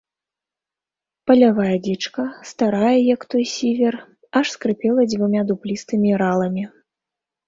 Палявая дзічка, старая, як той сівер, аж скрыпела дзвюма дуплістымі раламі.